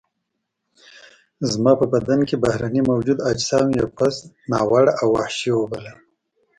زما په بدن کې بهرني موجود اجسام یې پست، ناوړه او وحشي وبلل.